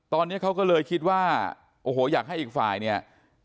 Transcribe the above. ตอนนี้เขาก็เลยคิดว่าโอ้โหอยากให้อีกฝ่ายเนี่ย